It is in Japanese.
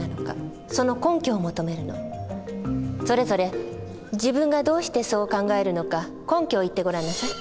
それぞれ自分がどうしてそう考えるのか根拠を言ってごらんなさい。